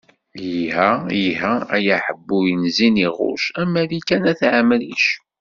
Iha, iha aḥebbuy n ziniɣuc, a Malika n at Ɛemric.